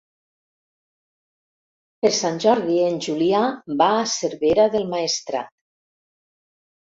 Per Sant Jordi en Julià va a Cervera del Maestrat.